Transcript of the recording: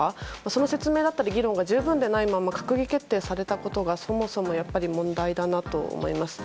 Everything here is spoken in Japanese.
その説明や議論が十分でないまま閣議決定されたことがそもそも問題だなと思います。